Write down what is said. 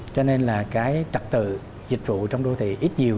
cho nên là cái trật tự dịch vụ trong đô thị ít nhiều